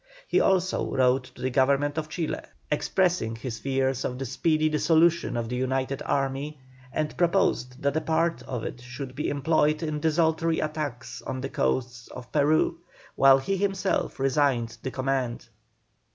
He also wrote to the Government of Chile, expressing his fears of the speedy dissolution of the united army, and proposed that a part of it should be employed in desultory attacks on the coasts of Peru, while he himself resigned the command.